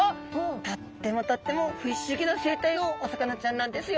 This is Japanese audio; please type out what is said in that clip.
とってもとってもフィッシュギな生態のお魚ちゃんなんですよ。